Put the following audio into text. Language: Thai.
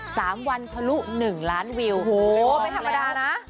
สามวันทะลุหนึ่งล้านวิวโอ้โหไม่ธรรมดานะ